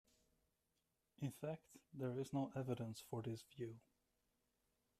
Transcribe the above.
In fact, there is no evidence for this view.